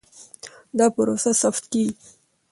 دا پروسه ثبت کېږي.